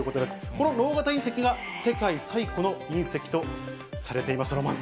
この直方隕石が世界最古の隕石とされています。